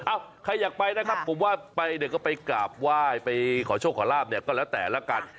ใครอยากไปนะครับผมว่าไปเดี๋ยวก็ไปกราบไหว้ไปขอโชคขอลาบเนี่ยก็แล้วแต่ละกัน